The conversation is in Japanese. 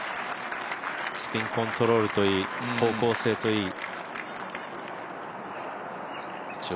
スピンコントロールといい、方向性といい。